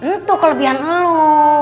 ntuh kelebihan lu